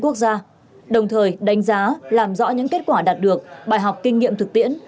quốc gia đồng thời đánh giá làm rõ những kết quả đạt được bài học kinh nghiệm thực tiễn